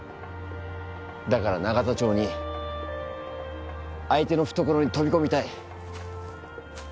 だから永田町に相手の懐に飛び込みたい。